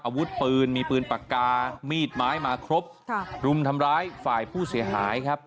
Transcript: อาวุธปืนมีปืนปากกามีดไม้มาครบค่ะรุมทำร้ายฝ่ายผู้เสียหายครับ